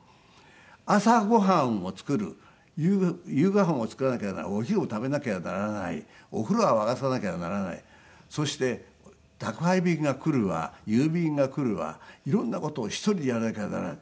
朝ご飯を作る夕ご飯を作らなきゃならないお昼を食べなきゃならないお風呂は沸かさなきゃならないそして宅配便が来るわ郵便が来るわ色んな事を一人でやらなきゃならない。